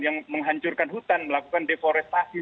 yang menghancurkan hutan melakukan deforestasi